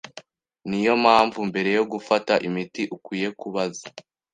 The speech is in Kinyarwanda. Niyo mpamvu mbere yo gufata imiti ukwiye kubaza